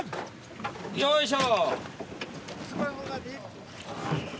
よいしょ！